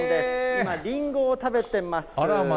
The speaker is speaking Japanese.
今、りんごを食べてます。